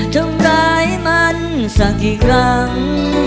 ทำร้ายมันสักกี่ครั้ง